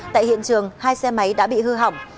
tại hiện trường hai xe máy đã bị hư hỏng